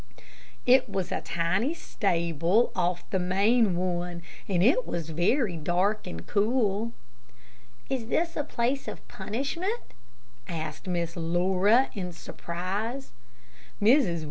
It was a tiny stable off the main one, and it was very dark and cool. "Is this a place of punishment?" asked Miss Laura, in surprise. Mrs.